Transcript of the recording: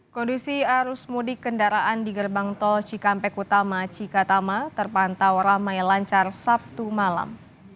kondisi arus mudik kendaraan di gerbang tol cikampek utama cikatama terpantau ramai lancar sabtu malam